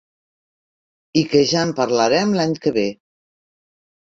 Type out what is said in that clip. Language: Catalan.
I que ja en parlarem l'any que ve.